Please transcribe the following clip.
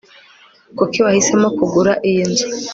kuki wahisemo kugura iyi nzu